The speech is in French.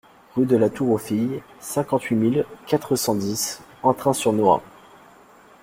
Rue de la Tour aux Filles, cinquante-huit mille quatre cent dix Entrains-sur-Nohain